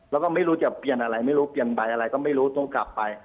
แล้วก็ไม่รู้จะเปลี่ยนอะไรไม่รู้เปลี่ยนใบอะไรก็ไม่รู้ต้องกลับไป